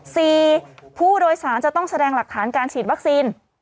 ผู้โดยสารจะต้องแสดงหลักฐานการฉีดวัคซีน